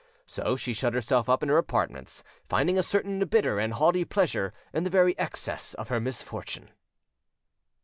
So she shut herself up in her apartments, finding a certain bitter and haughty pleasure in the very excess of her misfortune.